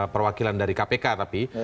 perwakilan dari kpk tapi